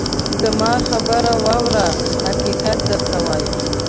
زما خبره واوره ! حقیقت درته وایم.